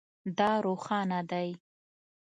دا روښانه دی